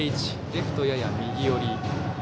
レフトはやや右寄り。